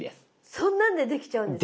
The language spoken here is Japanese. そんなんでできちゃうんですか？